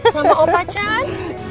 sama opa chan